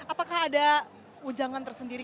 apakah ada ujangan tersendiri